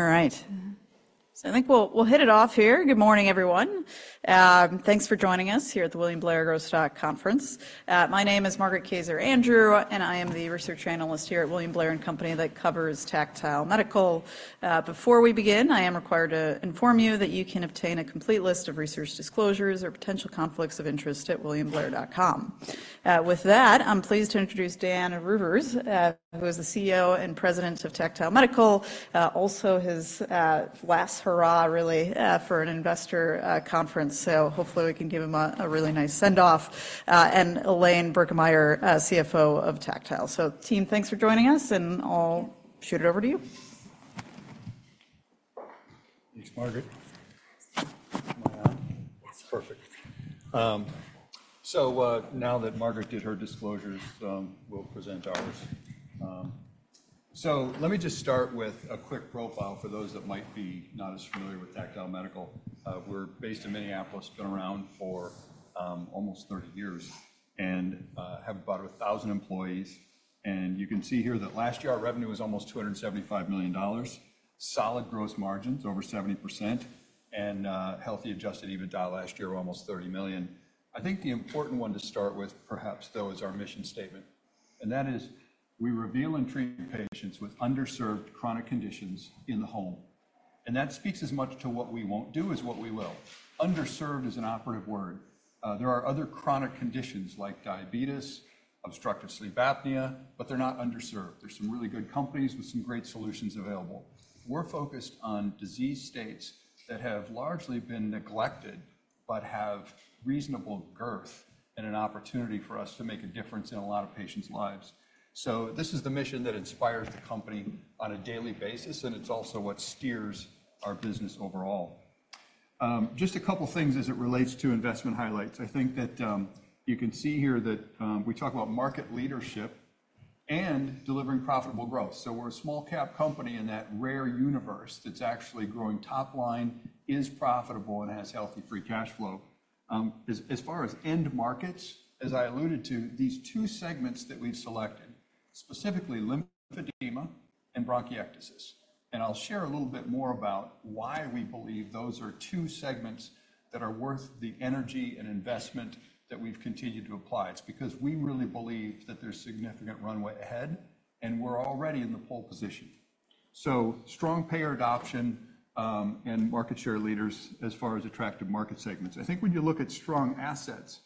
All right. So I think we'll hit it off here. Good morning, everyone. Thanks for joining us here at the William Blair Growth Stock Conference. My name is Margaret Kaczor Andrew, and I am the research analyst here at William Blair & Company that covers Tactile Medical. Before we begin, I am required to inform you that you can obtain a complete list of research disclosures or potential conflicts of interest at williamblair.com. With that, I'm pleased to introduce Dan Reuvers, who is the CEO and President of Tactile Medical. Also his last hurrah, really, for an investor conference, so hopefully we can give him a really nice send-off. And Elaine Birkemeyer, CFO of Tactile. So team, thanks for joining us, and I'll shoot it over to you. Thanks, Margaret. Am I on? That's perfect. Now that Margaret did her disclosures, we'll present ours. Let me just start with a quick profile for those that might be not as familiar with Tactile Medical. We're based in Minneapolis, been around for almost 30 years and have about 1,000 employees. You can see here that last year our revenue was almost $275 million, solid gross margins over 70%, and healthy Adjusted EBITDA last year, almost $30 million. I think the important one to start with, perhaps, though, is our mission statement, and that is, "We reveal and treat patients with underserved chronic conditions in the home." That speaks as much to what we won't do as what we will. Underserved is an operative word. There are other chronic conditions like diabetes, obstructive sleep apnea, but they're not underserved. There are some really good companies with some great solutions available. We're focused on disease states that have largely been neglected, but have reasonable girth and an opportunity for us to make a difference in a lot of patients' lives. So this is the mission that inspires the company on a daily basis, and it's also what steers our business overall. Just a couple of things as it relates to investment highlights. I think that, you can see here that, we talk about market leadership and delivering profitable growth. So we're a small cap company in that rare universe that's actually growing top line, is profitable, and has healthy free cash flow. As far as end markets, as I alluded to, these two segments that we've selected, specifically lymphedema and bronchiectasis. And I'll share a little bit more about why we believe those are two segments that are worth the energy and investment that we've continued to apply. It's because we really believe that there's significant runway ahead, and we're already in the pole position. So strong payer adoption, and market share leaders as far as attractive market segments. I think when you look at strong assets,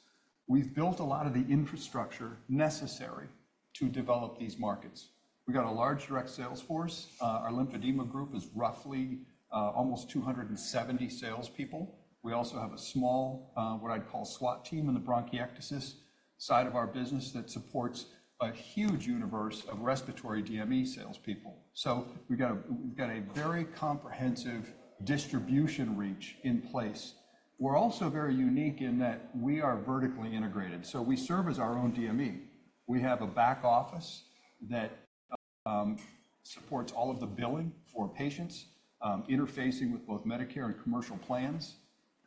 we've built a lot of the infrastructure necessary to develop these markets. We've got a large direct sales force. Our lymphedema group is roughly almost 270 salespeople. We also have a small, what I'd call SWAT team in the bronchiectasis side of our business that supports a huge universe of respiratory DME salespeople. So we've got a very comprehensive distribution reach in place. We're also very unique in that we are vertically integrated, so we serve as our own DME. We have a back office that supports all of the billing for patients, interfacing with both Medicare and commercial plans,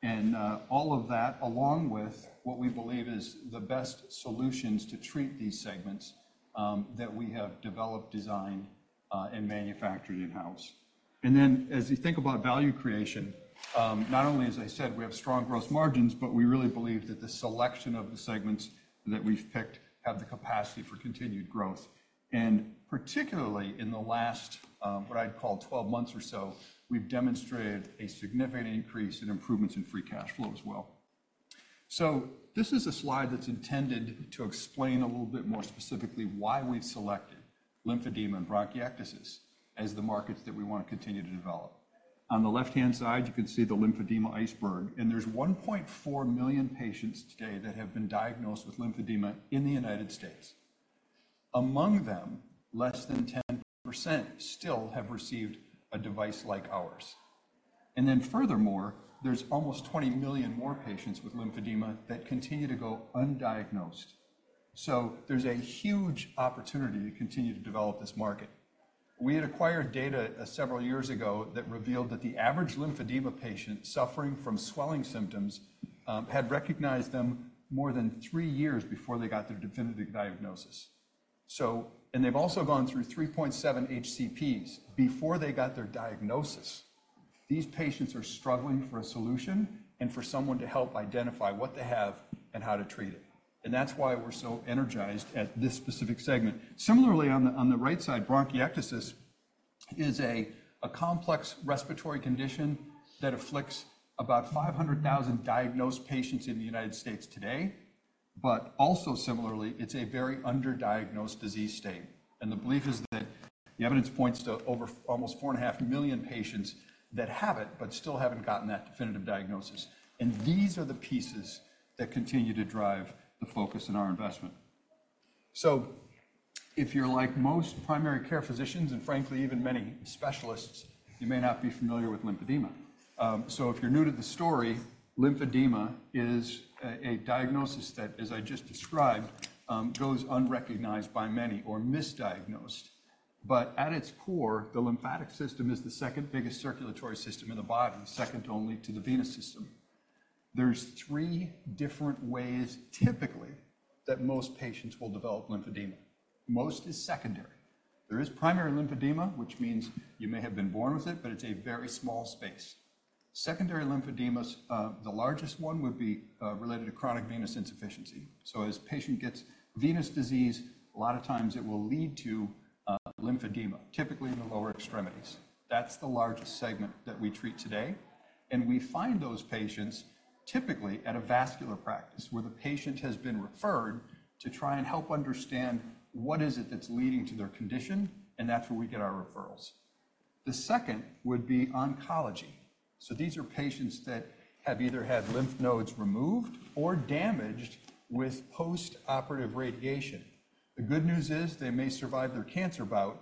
and all of that along with what we believe is the best solutions to treat these segments that we have developed, designed, and manufactured in-house. And then, as you think about value creation, not only, as I said, we have strong growth margins, but we really believe that the selection of the segments that we've picked have the capacity for continued growth. And particularly in the last what I'd call 12 months or so, we've demonstrated a significant increase in improvements in free cash flow as well. So this is a slide that's intended to explain a little bit more specifically why we've selected lymphedema and bronchiectasis as the markets that we want to continue to develop. On the left-hand side, you can see the lymphedema iceberg, and there's 1.4 million patients today that have been diagnosed with lymphedema in the United States. Among them, less than 10% still have received a device like ours. And then furthermore, there's almost 20 million more patients with lymphedema that continue to go undiagnosed. So there's a huge opportunity to continue to develop this market. We had acquired data several years ago that revealed that the average lymphedema patient suffering from swelling symptoms had recognized them more than three years before they got their definitive diagnosis. So, and they've also gone through 3.7 HCPs before they got their diagnosis. These patients are struggling for a solution and for someone to help identify what they have and how to treat it. That's why we're so energized at this specific segment. Similarly, on the right side, bronchiectasis is a complex respiratory condition that afflicts about 500,000 diagnosed patients in the United States today, but also similarly, it's a very underdiagnosed disease state. The belief is that the evidence points to over almost 4.5 million patients that have it, but still haven't gotten that definitive diagnosis. These are the pieces that continue to drive the focus in our investment. If you're like most primary care physicians, and frankly, even many specialists, you may not be familiar with lymphedema. So if you're new to the story, Lymphedema is a diagnosis that, as I just described, goes unrecognized by many or misdiagnosed. But at its core, the lymphatic system is the second biggest circulatory system in the body, second only to the venous system. There's three different ways, typically, that most patients will develop Lymphedema. Most is secondary. There is primary Lymphedema, which means you may have been born with it, but it's a very small space. Secondary Lymphedemas, the largest one would be, related to chronic venous insufficiency. So as patient gets venous disease, a lot of times it will lead to, Lymphedema, typically in the lower extremities. That's the largest segment that we treat today, and we find those patients typically at a vascular practice, where the patient has been referred to try and help understand what is it that's leading to their condition, and that's where we get our referrals. The second would be oncology. So these are patients that have either had lymph nodes removed or damaged with post-operative radiation. The good news is they may survive their cancer bout.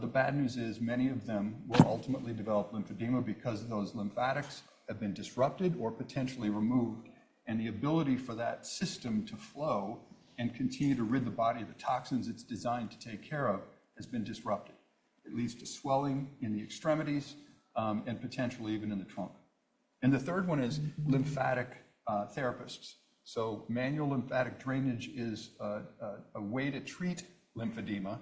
The bad news is many of them will ultimately develop lymphedema because those lymphatics have been disrupted or potentially removed, and the ability for that system to flow and continue to rid the body of the toxins it's designed to take care of has been disrupted. It leads to swelling in the extremities, and potentially even in the trunk. And the third one is lymphatic therapists. So manual lymphatic drainage is a way to treat lymphedema.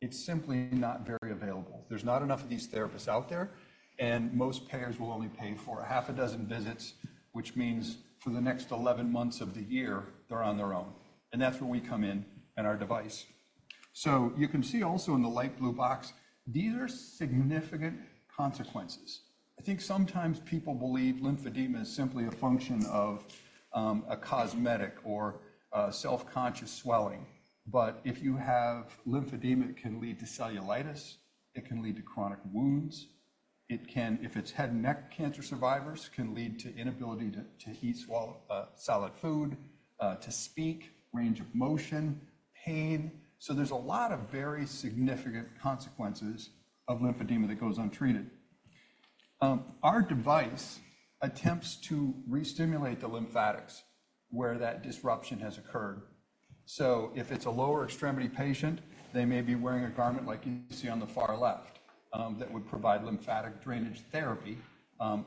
It's simply not very available. There's not enough of these therapists out there, and most payers will only pay for half a dozen visits, which means for the next 11 months of the year, they're on their own, and that's where we come in and our device. So you can see also in the light blue box, these are significant consequences. I think sometimes people believe lymphedema is simply a function of a cosmetic or a self-conscious swelling. But if you have lymphedema, it can lead to cellulitis, it can lead to chronic wounds, it can if it's head and neck cancer survivors, can lead to inability to eat swallow solid food to speak, range of motion, pain. So there's a lot of very significant consequences of lymphedema that goes untreated. Our device attempts to restimulate the lymphatics where that disruption has occurred. So if it's a lower extremity patient, they may be wearing a garment like you see on the far left, that would provide lymphatic drainage therapy,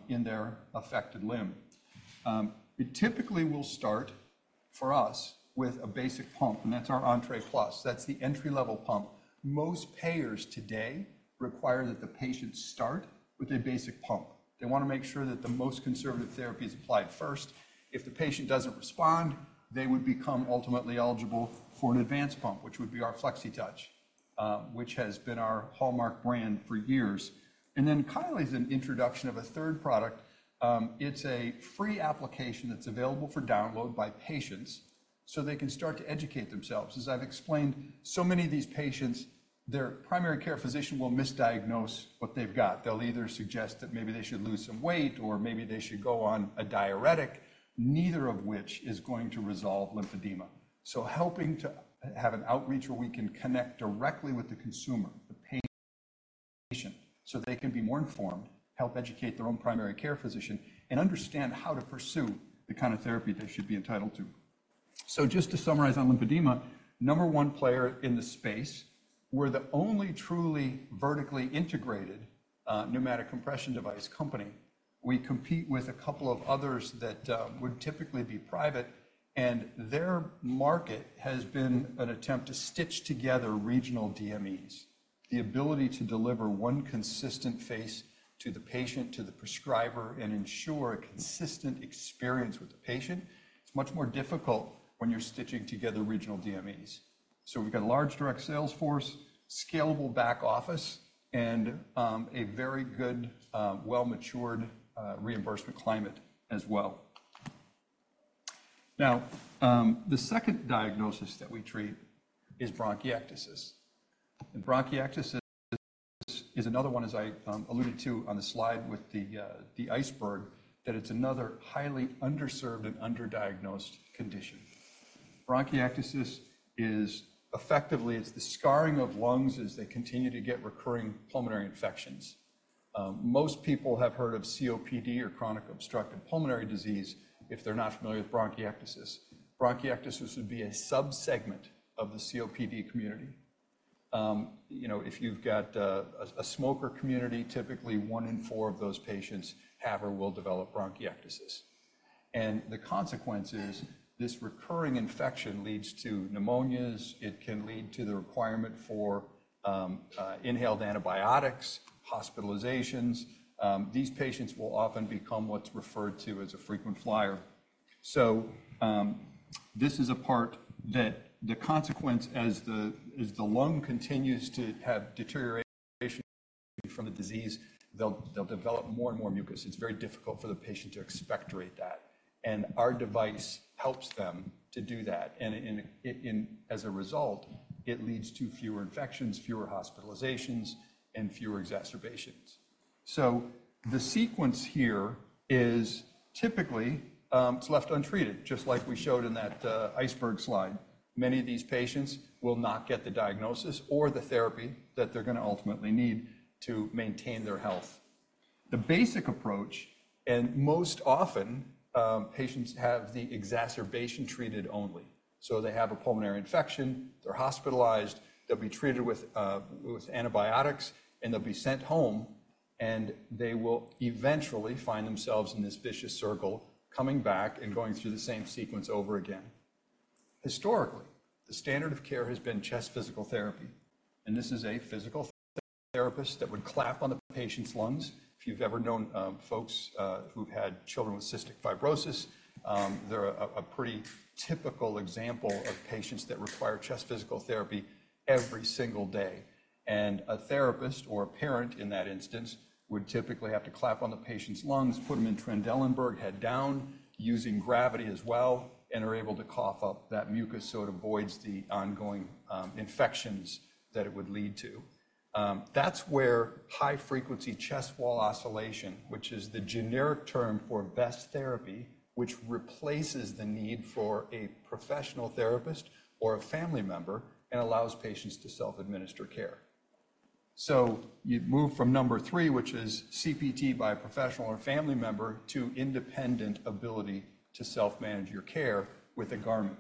in their affected limb. It typically will start for us with a basic pump, and that's our Entre Plus. That's the entry-level pump. Most payers today require that the patients start with a basic pump. They wanna make sure that the most conservative therapy is applied first. If the patient doesn't respond, they would become ultimately eligible for an advanced pump, which would be our Flexitouch, which has been our hallmark brand for years. And then Kylee is an introduction of a third product. It's a free application that's available for download by patients, so they can start to educate themselves. As I've explained, so many of these patients, their primary care physician will misdiagnose what they've got. They'll either suggest that maybe they should lose some weight, or maybe they should go on a diuretic, neither of which is going to resolve lymphedema. So helping to have an outreach where we can connect directly with the consumer, the patient, so they can be more informed, help educate their own primary care physician, and understand how to pursue the kind of therapy they should be entitled to. So just to summarize on lymphedema, number one player in the space, we're the only truly vertically integrated pneumatic compression device company. We compete with a couple of others that would typically be private, and their market has been an attempt to stitch together regional DMEs. The ability to deliver one consistent face to the patient, to the prescriber, and ensure a consistent experience with the patient; it's much more difficult when you're stitching together regional DMEs. So we've got a large direct sales force, scalable back office, and a very good, well-matured, reimbursement climate as well. Now, the second diagnosis that we treat is bronchiectasis. Bronchiectasis is another one, as I alluded to on the slide with the iceberg, that it's another highly underserved and underdiagnosed condition. Bronchiectasis is effectively, it's the scarring of lungs as they continue to get recurring pulmonary infections. Most people have heard of COPD or chronic obstructive pulmonary disease, if they're not familiar with bronchiectasis. Bronchiectasis would be a subsegment of the COPD community. You know, if you've got a smoker community, typically one in four of those patients have or will develop bronchiectasis. And the consequence is this recurring infection leads to pneumonias, it can lead to the requirement for inhaled antibiotics, hospitalizations. These patients will often become what's referred to as a frequent flyer. So, this is a part that the consequence as the lung continues to have deterioration from the disease, they'll develop more and more mucus. It's very difficult for the patient to expectorate that, and our device helps them to do that. And as a result, it leads to fewer infections, fewer hospitalizations, and fewer exacerbations. So the sequence here is typically, it's left untreated, just like we showed in that iceberg slide. Many of these patients will not get the diagnosis or the therapy that they're gonna ultimately need to maintain their health. The basic approach, and most often, patients have the exacerbation treated only. So they have a pulmonary infection, they're hospitalized, they'll be treated with, with antibiotics, and they'll be sent home, and they will eventually find themselves in this vicious circle, coming back and going through the same sequence over again. Historically, the standard of care has been chest physical therapy, and this is a physical therapist that would clap on the patient's lungs. If you've ever known, folks, who've had children with cystic fibrosis, they're a pretty typical example of patients that require chest physical therapy every single day. A therapist or a parent in that instance would typically have to clap on the patient's lungs, put them in Trendelenburg, head down, using gravity as well, and are able to cough up that mucus so it avoids the ongoing infections that it would lead to. That's where high-frequency chest wall oscillation, which is the generic term for Vest therapy, which replaces the need for a professional therapist or a family member and allows patients to self-administer care. So you've moved from number 3, which is CPT by a professional or family member, to independent ability to self-manage your care with a garment.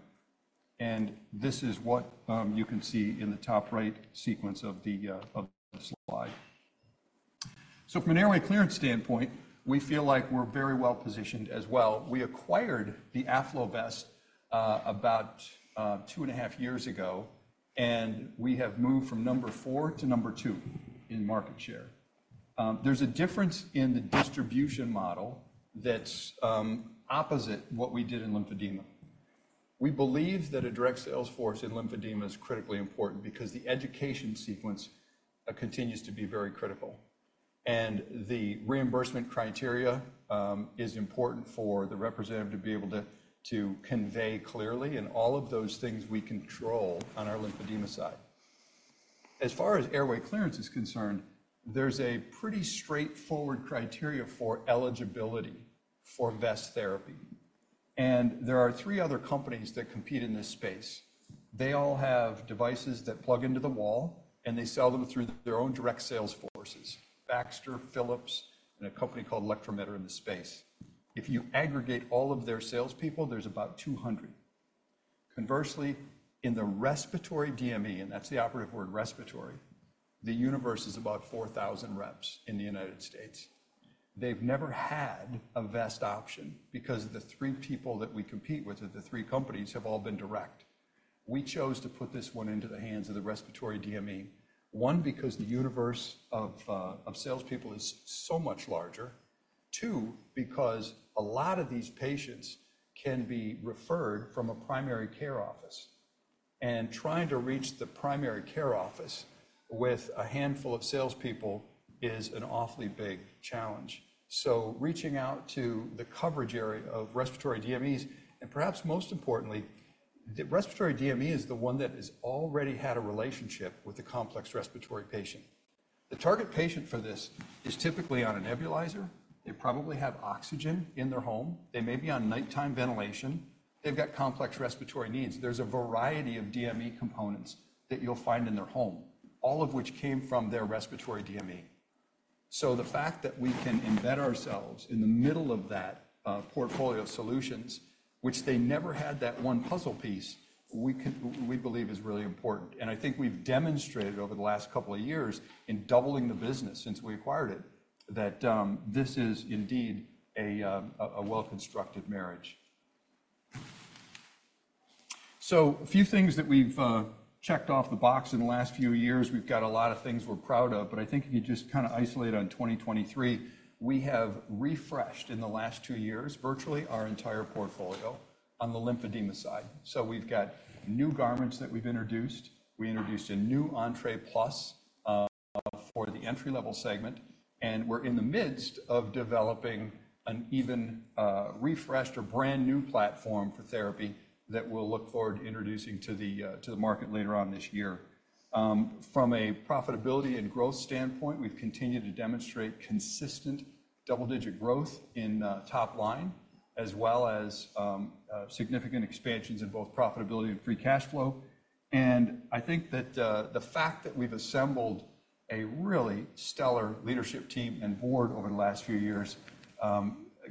And this is what you can see in the top right sequence of the slide. So from an airway clearance standpoint, we feel like we're very well positioned as well. We acquired the AffloVest about 2.5 years ago, and we have moved from number 4 to number 2 in market share. There's a difference in the distribution model that's opposite what we did in lymphedema. We believe that a direct sales force in lymphedema is critically important because the education sequence continues to be very critical. The reimbursement criteria is important for the representative to be able to convey clearly, and all of those things we control on our lymphedema side. As far as airway clearance is concerned, there's a pretty straightforward criteria for eligibility for vest therapy, and there are three other companies that compete in this space. They all have devices that plug into the wall, and they sell them through their own direct sales forces, Baxter, Philips, and a company called Electromed in the space. If you aggregate all of their salespeople, there's about 200. Conversely, in the respiratory DME, and that's the operative word, respiratory, the universe is about 4,000 reps in the United States. They've never had a vest option because the three people that we compete with at the three companies have all been direct. We chose to put this one into the hands of the respiratory DME. One, because the universe of salespeople is so much larger. Two, because a lot of these patients can be referred from a primary care office, and trying to reach the primary care office with a handful of salespeople is an awfully big challenge. So reaching out to the coverage area of respiratory DMEs, and perhaps most importantly, the respiratory DME is the one that has already had a relationship with the complex respiratory patient. The target patient for this is typically on a nebulizer. They probably have oxygen in their home. They may be on nighttime ventilation. They've got complex respiratory needs. There's a variety of DME components that you'll find in their home, all of which came from their respiratory DME. So the fact that we can embed ourselves in the middle of that, portfolio of solutions, which they never had that one puzzle piece, we believe is really important. And I think we've demonstrated over the last couple of years in doubling the business since we acquired it, that, this is indeed a, a well-constructed marriage. So a few things that we've, checked off the box in the last few years. We've got a lot of things we're proud of, but I think if you just kinda isolate on 2023, we have refreshed in the last two years, virtually our entire portfolio on the Lymphedema side. So we've got new garments that we've introduced. We introduced a new Entre Plus for the entry-level segment, and we're in the midst of developing an even refreshed or brand-new platform for therapy that we'll look forward to introducing to the market later on this year. From a profitability and growth standpoint, we've continued to demonstrate consistent double-digit growth in top line, as well as significant expansions in both profitability and free cash flow. I think that the fact that we've assembled a really stellar leadership team and board over the last few years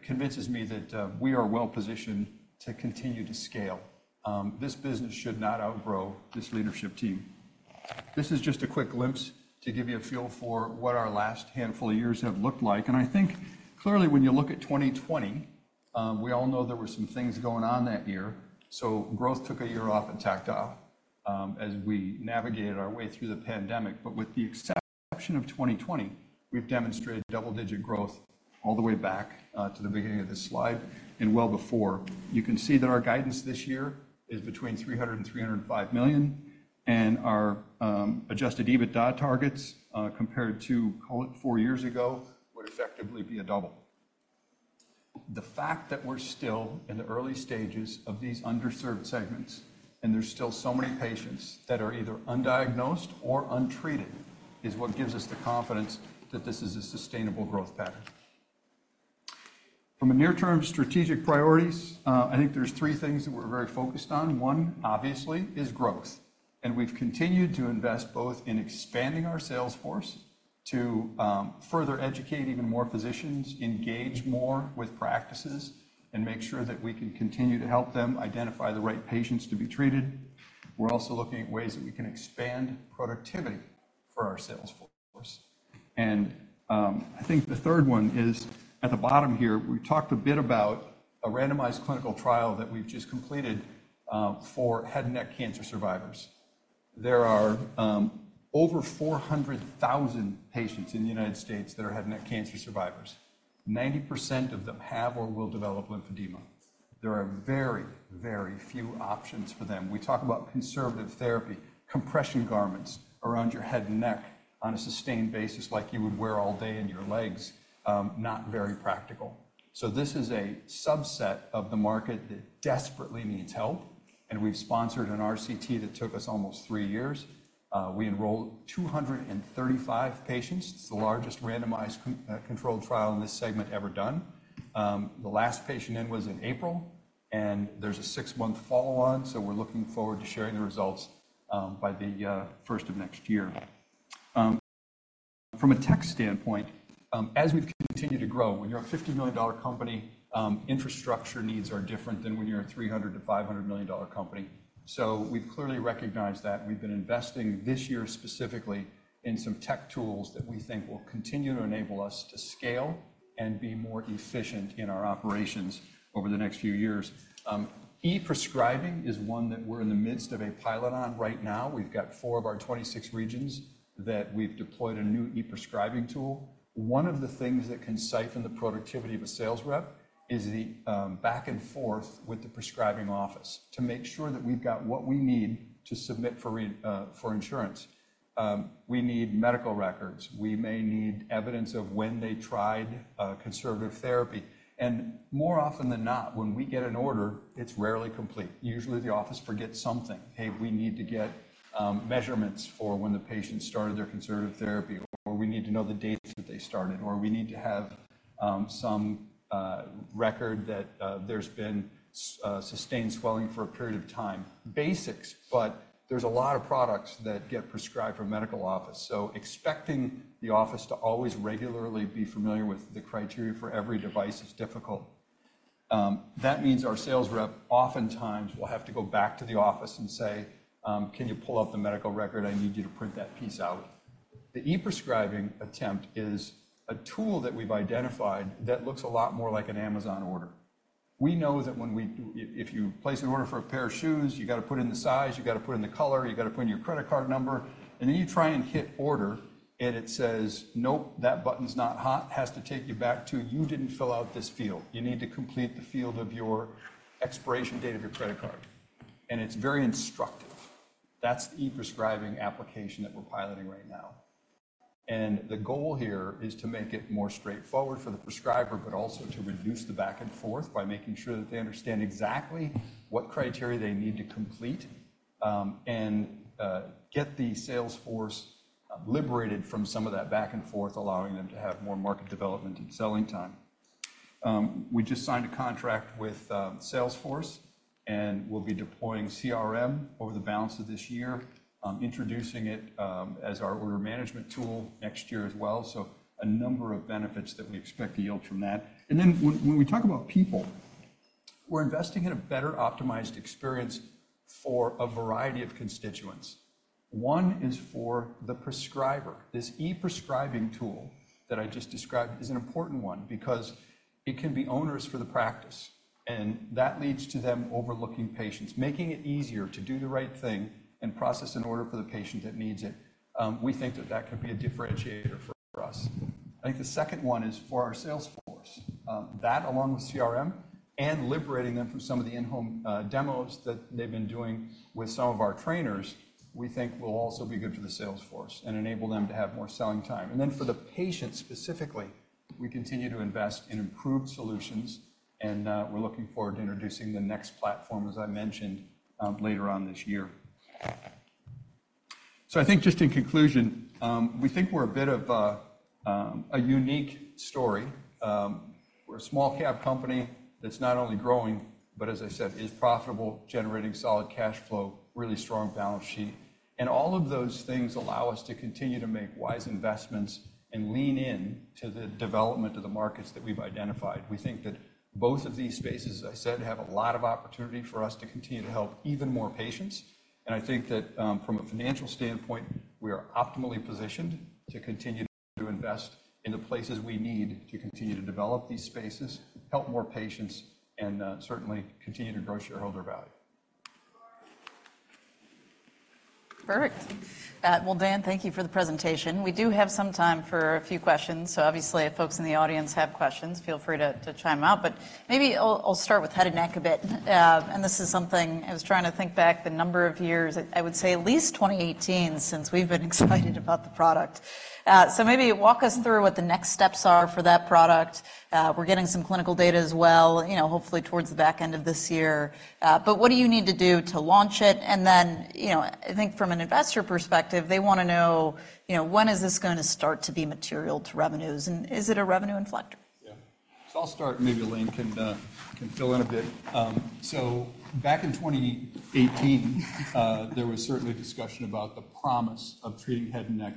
convinces me that we are well positioned to continue to scale. This business should not outgrow this leadership team. This is just a quick glimpse to give you a feel for what our last handful of years have looked like. I think clearly, when you look at 2020, we all know there were some things going on that year, so growth took a year off at Tactile, as we navigated our way through the pandemic. But with the exception of 2020, we've demonstrated double-digit growth all the way back to the beginning of this slide and well before. You can see that our guidance this year is between $300 million and $305 million, and our Adjusted EBITDA targets compared to, call it four years ago, would effectively be a double. The fact that we're still in the early stages of these underserved segments and there's still so many patients that are either undiagnosed or untreated is what gives us the confidence that this is a sustainable growth pattern. From a near-term strategic priorities, I think there's three things that we're very focused on. One, obviously, is growth, and we've continued to invest both in expanding our sales force to further educate even more physicians, engage more with practices, and make sure that we can continue to help them identify the right patients to be treated. We're also looking at ways that we can expand productivity for our sales force. I think the third one is at the bottom here. We talked a bit about a randomized clinical trial that we've just completed for head and neck cancer survivors. There are over 400,000 patients in the United States that are head and neck cancer survivors. 90% of them have or will develop lymphedema. There are very, very few options for them. We talk about conservative therapy, compression garments around your head and neck on a sustained basis like you would wear all day in your legs, not very practical. So this is a subset of the market that desperately needs help, and we've sponsored an RCT that took us almost 3 years. We enrolled 235 patients. It's the largest randomized controlled trial in this segment ever done. The last patient in was in April, and there's a six-month follow-on, so we're looking forward to sharing the results by the first of next year. From a tech standpoint, as we've continued to grow, when you're a $50 million company, infrastructure needs are different than when you're a $300 million-$500 million company. So we've clearly recognized that. We've been investing this year specifically in some tech tools that we think will continue to enable us to scale and be more efficient in our operations over the next few years. E-prescribing is one that we're in the midst of a pilot on right now. We've got 4 of our 26 regions that we've deployed a new e-prescribing tool. One of the things that can siphon the productivity of a sales rep is the back and forth with the prescribing office to make sure that we've got what we need to submit for insurance. We need medical records. We may need evidence of when they tried conservative therapy, and more often than not, when we get an order, it's rarely complete. Usually, the office forgets something. Hey, we need to get measurements for when the patient started their conservative therapy," or, "We need to know the dates that they started," or, "We need to have some record that there's been sustained swelling for a period of time." Basics, but there's a lot of products that get prescribed from a medical office, so expecting the office to always regularly be familiar with the criteria for every device is difficult. That means our sales rep oftentimes will have to go back to the office and say, "Can you pull up the medical record? I need you to print that piece out." The E-prescribing attempt is a tool that we've identified that looks a lot more like an Amazon order. We know that when we if you place an order for a pair of shoes, you got to put in the size, you got to put in the color, you got to put in your credit card number, and then you try and hit order, and it says, "Nope, that button's not hot." Has to take you back to, "You didn't fill out this field. You need to complete the field of your expiration date of your credit card." And it's very instructive. That's the E-prescribing application that we're piloting right now. And the goal here is to make it more straightforward for the prescriber, but also to reduce the back and forth by making sure that they understand exactly what criteria they need to complete, and get the sales force liberated from some of that back and forth, allowing them to have more market development and selling time. We just signed a contract with Salesforce, and we'll be deploying CRM over the balance of this year, introducing it as our order management tool next year as well. So a number of benefits that we expect to yield from that. And then when we talk about people, we're investing in a better optimized experience for a variety of constituents. One is for the prescriber. This e-prescribing tool that I just described is an important one because it can be onerous for the practice, and that leads to them overlooking patients, making it easier to do the right thing and process an order for the patient that needs it. We think that that could be a differentiator for us. I think the second one is for our sales force. That along with CRM and liberating them from some of the in-home demos that they've been doing with some of our trainers, we think will also be good for the sales force and enable them to have more selling time. And then for the patient, specifically, we continue to invest in improved solutions, and we're looking forward to introducing the next platform, as I mentioned, later on this year. So I think just in conclusion, we think we're a bit of a, a unique story. We're a small cap company that's not only growing, but as I said, is profitable, generating solid cash flow, really strong balance sheet, and all of those things allow us to continue to make wise investments and lean in to the development of the markets that we've identified. We think that both of these spaces, as I said, have a lot of opportunity for us to continue to help even more patients, and I think that, from a financial standpoint, we are optimally positioned to continue to invest in the places we need to continue to develop these spaces, help more patients, and, certainly continue to grow shareholder value. Perfect. Well, Dan, thank you for the presentation. We do have some time for a few questions, so obviously, if folks in the audience have questions, feel free to chime in. But maybe I'll start with head and neck a bit. And this is something... I was trying to think back, the number of years, I would say at least 2018, since we've been excited about the product. So maybe walk us through what the next steps are for that product. We're getting some clinical data as well, you know, hopefully towards the back end of this year. But what do you need to do to launch it? And then, you know, I think from an investor perspective, they wanna know, you know, when is this gonna start to be material to revenues, and is it a revenue inflector? Yeah. So I'll start, and maybe Lynn can fill in a bit. So back in 2018, there was certainly discussion about the promise of treating head and neck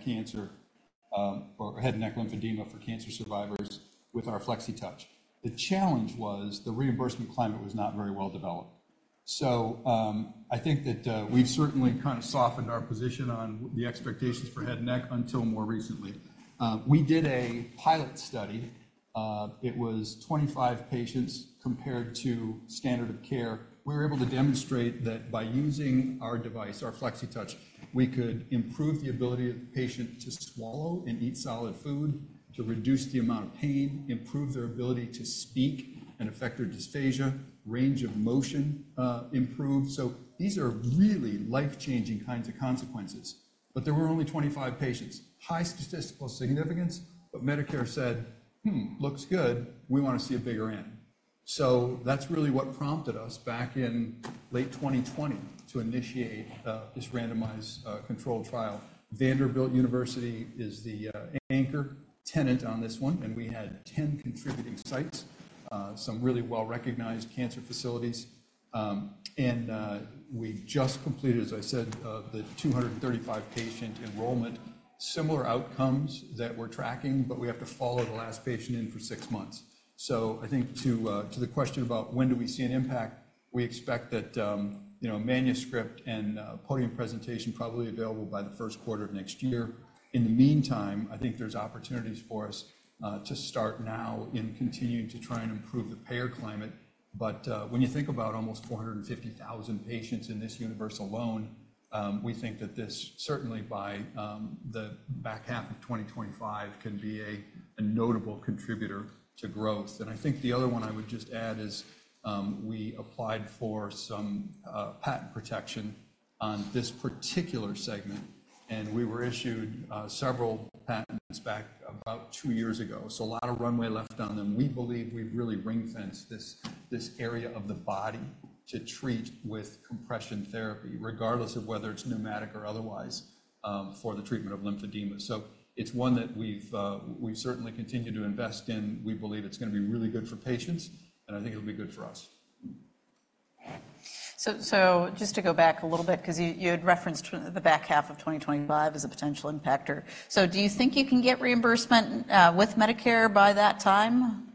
or head and neck lymphedema for cancer survivors with our Flexitouch. The challenge was the reimbursement climate was not very well developed. So I think that we've certainly kind of softened our position on the expectations for head and neck until more recently. We did a pilot study. It was 25 patients compared to standard of care. We were able to demonstrate that by using our device, our Flexitouch, we could improve the ability of the patient to swallow and eat solid food, to reduce the amount of pain, improve their ability to speak and affect their dysphagia, range of motion improved. So these are really life-changing kinds of consequences. But there were only 25 patients. High statistical significance, but Medicare said, "Hmm, looks good. We want to see a bigger N." So that's really what prompted us back in late 2020 to initiate this randomized controlled trial. Vanderbilt University is the anchor tenant on this one, and we had 10 contributing sites, some really well-recognized cancer facilities. And we've just completed, as I said, the 235 patient enrollment. Similar outcomes that we're tracking, but we have to follow the last patient in for 6 months. So I think to the question about when do we see an impact, we expect that, you know, a manuscript and a podium presentation probably available by the first quarter of next year. In the meantime, I think there's opportunities for us to start now in continuing to try and improve the payer climate. But when you think about almost 450,000 patients in this universe alone, we think that this certainly by the back half of 2025 can be a notable contributor to growth. And I think the other one I would just add is we applied for some patent protection on this particular segment, and we were issued several patents back about 2 years ago. So a lot of runway left on them. We believe we've really ring-fenced this area of the body to treat with compression therapy, regardless of whether it's pneumatic or otherwise, for the treatment of lymphedema. So it's one that we've certainly continued to invest in. We believe it's gonna be really good for patients, and I think it'll be good for us. So, just to go back a little bit, because you had referenced the back half of 2025 as a potential impactor. So do you think you can get reimbursement with Medicare by that time?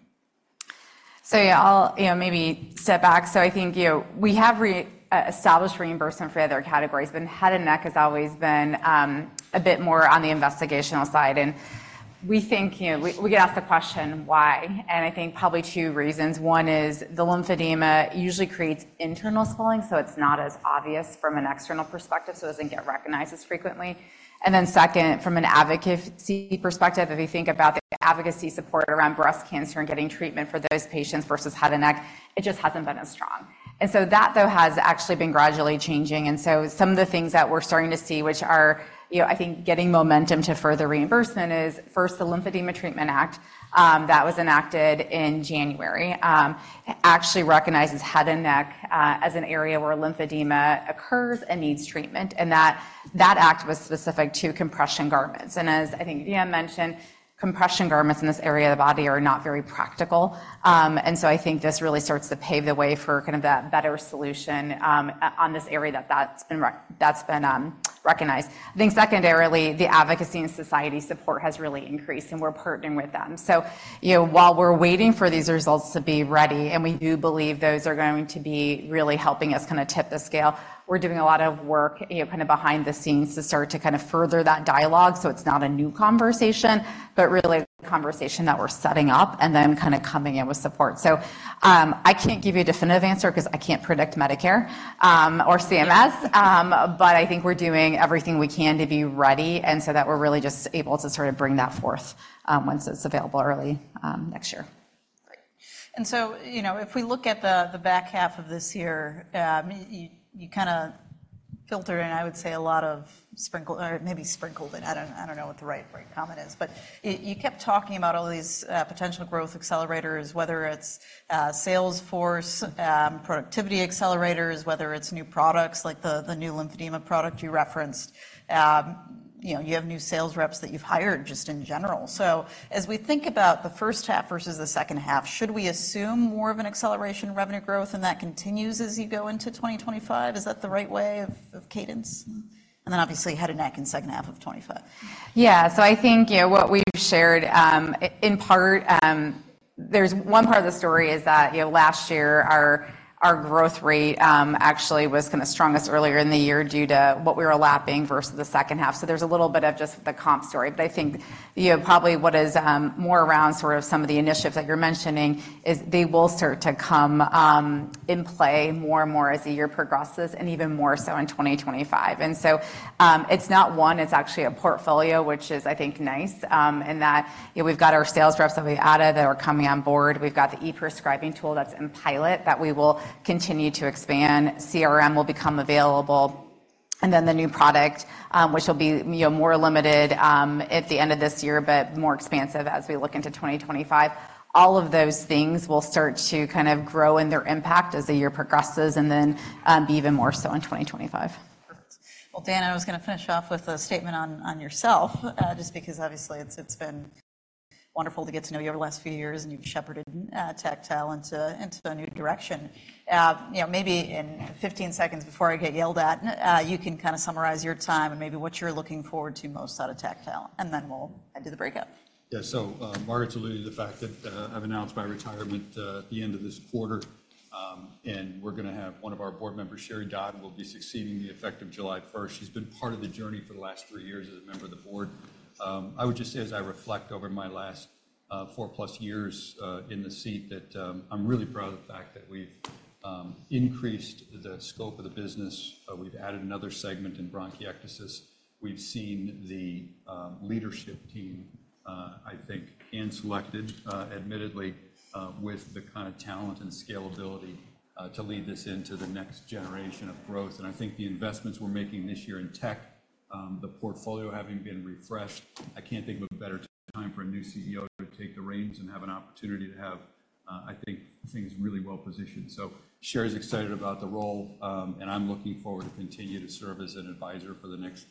So yeah, I'll, you know, maybe step back. So I think, you know, we have re-established reimbursement for other categories, but head and neck has always been a bit more on the investigational side. And we think, you know, we, we get asked the question, why? And I think probably two reasons. One is the lymphedema usually creates internal swelling, so it's not as obvious from an external perspective, so it doesn't get recognized as frequently. And then second, from an advocacy perspective, if you think about the advocacy support around breast cancer and getting treatment for those patients versus head and neck, it just hasn't been as strong. And so that, though, has actually been gradually changing. And so some of the things that we're starting to see, which are, you know, I think getting momentum to further reimbursement is first, the Lymphedema Treatment Act, that was enacted in January, actually recognizes head and neck as an area where lymphedema occurs and needs treatment, and that act was specific to compression garments. And as I think Dan mentioned, compression garments in this area of the body are not very practical. And so I think this really starts to pave the way for kind of that better solution on this area that's been recognized. I think secondarily, the advocacy and society support has really increased, and we're partnering with them. So, you know, while we're waiting for these results to be ready, and we do believe those are going to be really helping us kind of tip the scale, we're doing a lot of work, you know, kind of behind the scenes to start to kind of further that dialogue. So it's not a new conversation, but really a conversation that we're setting up and then kind of coming in with support. So, I can't give you a definitive answer 'cause I can't predict Medicare or CMS, but I think we're doing everything we can to be ready and so that we're really just able to sort of bring that forth once it's available early next year. Great. And so, you know, if we look at the back half of this year, you kind of filtered in, I would say, a lot of sprinkled or maybe sprinkled in. I don't know what the right comment is, but you kept talking about all these potential growth accelerators, whether it's sales force productivity accelerators, whether it's new products like the new lymphedema product you referenced. You know, you have new sales reps that you've hired just in general. So as we think about the first half versus the second half, should we assume more of an acceleration in revenue growth, and that continues as you go into 2025? Is that the right way of cadence? And then obviously, head and neck in second half of 25. Yeah. So I think, you know, what we've shared, in part, there's one part of the story is that, you know, last year, our growth rate actually was kind of strongest earlier in the year due to what we were lapping versus the second half. So there's a little bit of just the comp story, but I think, you know, probably what is more around sort of some of the initiatives that you're mentioning is they will start to come in play more and more as the year progresses, and even more so in 2025. And so, it's not one, it's actually a portfolio, which is, I think, nice, in that, you know, we've got our sales reps that we added that are coming on board. We've got the e-prescribing tool that's in pilot that we will continue to expand. CRM will become available. And then the new product, which will be, you know, more limited, at the end of this year, but more expansive as we look into 2025. All of those things will start to kind of grow in their impact as the year progresses and then, even more so in 2025. Perfect. Well, Dan, I was gonna finish off with a statement on yourself, just because obviously it's been wonderful to get to know you over the last few years, and you've shepherded Tactile into a new direction. You know, maybe in 15 seconds before I get yelled at, you can kind of summarize your time and maybe what you're looking forward to most out of Tactile, and then we'll head to the breakout. Yeah. So, Margaret's alluded to the fact that I've announced my retirement at the end of this quarter, and we're gonna have one of our board members, Sheri Dodd, will be succeeding effective July first. She's been part of the journey for the last three years as a member of the board. I would just say, as I reflect over my last four-plus years in the seat, that I'm really proud of the fact that we've increased the scope of the business. We've added another segment in bronchiectasis. We've seen the leadership team, I think, hand-selected, admittedly, with the kind of talent and scalability to lead this into the next generation of growth. I think the investments we're making this year in tech, the portfolio having been refreshed, I can't think of a better time for a new CEO to take the reins and have an opportunity to have, I think, things really well positioned. So Sheri's excited about the role, and I'm looking forward to continue to serve as an advisor for the next-